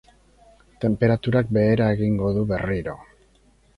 Tenperaturak behera egingo du berriro.